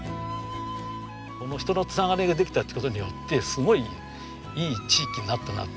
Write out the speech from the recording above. この人の繋がりができたって事によってすごいいい地域になったなって